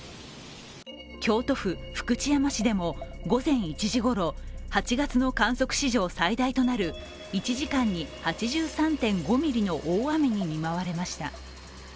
京都府福知山市でも午前１時ごろ、８月の観測史上最大となる１時間に８３．５ミリの大雨に見舞われました。